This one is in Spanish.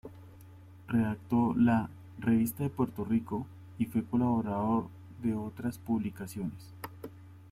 Redactó la "Revista de Puerto Rico" y fue colaborador de otras publicaciones.